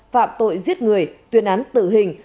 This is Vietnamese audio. phạm tội giết người tuyên án tử hình